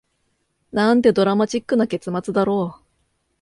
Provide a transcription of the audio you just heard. なんてドラマチックな結末だろう